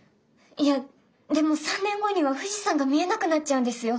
いやでも３年後には富士山が見えなくなっちゃうんですよ。